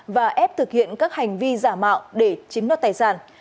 và ép thực hiện các hành vi giả mạo để chiếm đoạt tài sản